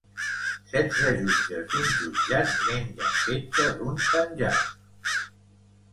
Setze jutges d'un jutjat mengen fetge d'un penjant.